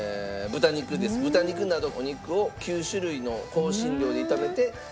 豚肉などお肉を９種類の香辛料で炒めて。